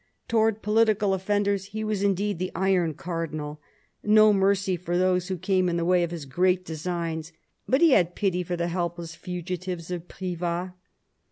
Towards political offenders he was indeed " the Iron Cardinal "— no mercy for those who came in the way of his great designs; but he had pity on the helpless fugitives of Privas.